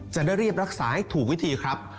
จะได้รีบรักษาให้ถูกวิธีครับ